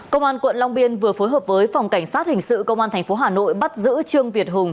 công an quận long biên vừa phối hợp với phòng cảnh sát hình sự công an tp hà nội bắt giữ trương việt hùng